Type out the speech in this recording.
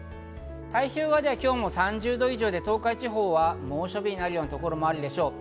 太平洋側では今日も３０度以上で、東海地方は猛暑日になるようなところもあるでしょう。